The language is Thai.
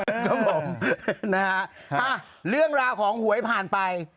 นะฮะเรื่องราวของหวยผ่านไป